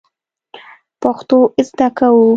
پښتو زده کوو